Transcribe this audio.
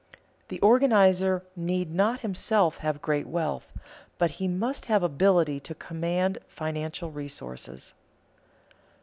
_The organizer need not himself have great wealth, but he must have ability to command financial resources.